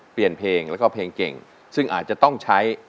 เปลี่ยนเพลงแล้วก็เพลงเก่งซึ่งอาจจะต้องใช้